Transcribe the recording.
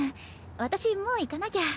私もう行かなきゃ。